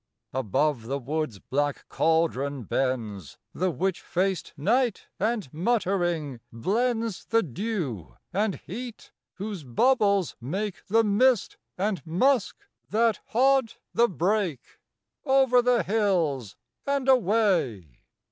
Above the wood's black caldron bends The witch faced Night and, muttering, blends The dew and heat, whose bubbles make The mist and musk that haunt the brake Over the hills and away.